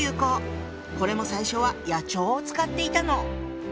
これも最初は野鳥を使っていたの。